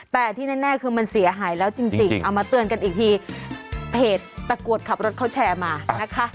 แต่ที่แน่คือมันเสียหายแล้วจริงเอามาเตือนกันอีกทีเพจตะกรวดขับรถเขาแชร์มานะคะ